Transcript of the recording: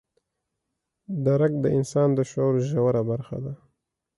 درک د انسان د شعور ژوره برخه ده.